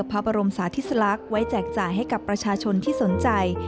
พระบรมสาธิสลักษณ์ไว้แจกจ่ายให้กับประชาชนที่สนใจ